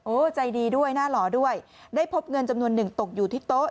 ใจดีด้วยหน้าหล่อด้วยได้พบเงินจำนวนหนึ่งตกอยู่ที่โต๊ะ